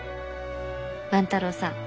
万太郎さん